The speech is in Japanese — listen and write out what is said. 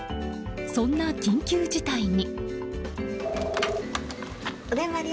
そんな緊急事態に。